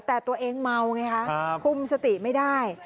แต่ตัวเองเมาไงคะคุมสติไม่ได้